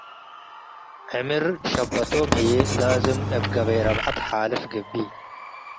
ዕምር ሸበቶም ህዬ ላዝም እብ ገበይ ረብዐት ሓልፍ ገብእ ።